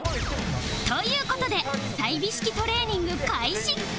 という事で済美式トレーニング開始